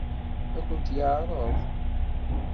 Ad akent-t-yeɛṛeḍ?